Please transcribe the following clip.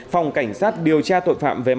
phòng cảnh sát điều tra tội phạm về ma